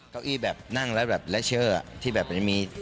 เก้าอี้แบบนั่งแล้วแบบแรเชอร์ที่แบบไม่มี